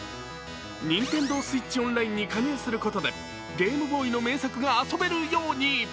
ＮｉｎｔｅｎｄｏＳｗｉｔｃｈＯｎｌｉｎｅに加入することでゲームボーイの名作が遊べるように。